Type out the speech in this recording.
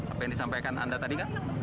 apa yang disampaikan anda tadi kan